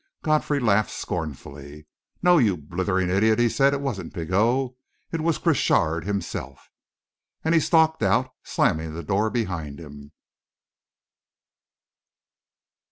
Godfrey laughed scornfully. "No, you blithering idiot!" he said. "It wasn't Pigot. It was Crochard himself!" And he stalked out, slamming the door behind him.